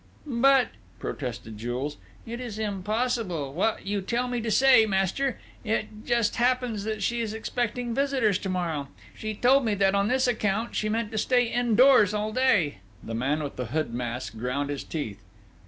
"But," protested Jules, "it is impossible, what you tell me to say, master! It just happens that she is expecting visitors to morrow!... She told me that, on this account, she meant to stay indoors all day!" The man with the hood mask ground his teeth.